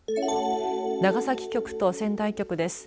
長崎局と仙台局です。